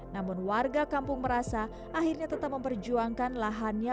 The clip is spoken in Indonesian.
namun warga kampung merasa akhirnya tetap memperjuangkan lahannya